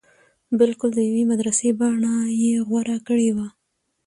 بلکل د يوې مدرسې بنه يې غوره کړې وه.